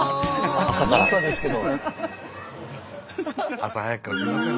朝早くからすいません